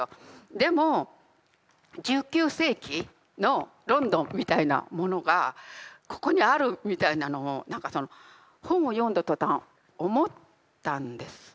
でも１９世紀のロンドンみたいなものがここにあるみたいなのを何かその本を読んだ途端思ったんです。